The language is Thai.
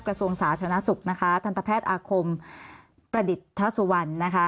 กระทรวงศาสตร์ธนศุกร์ทันประแพทย์อาคมประดิษฐสุวรรณ